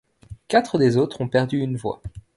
Quatre des autres ont perdu une voix.